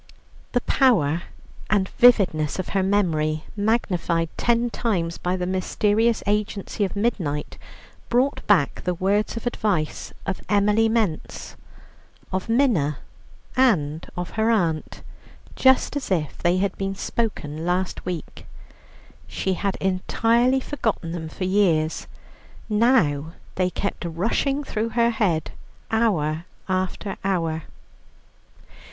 The power and vividness of her memory, magnified ten times by the mysterious agency of midnight, brought back the words of advice of Emily Mence, of Minna, and of her aunt, just as if they had been spoken last week. She had entirely forgotten them for years. Now they kept rushing through her head hour after hour.